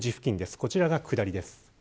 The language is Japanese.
こちらが下りです。